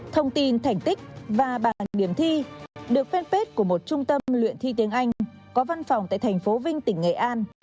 thông tin thành tích và bảng điểm thi được fanpage của một trung tâm luyện thi tiếng anh có văn phòng tại thành phố vinh tỉnh nghệ an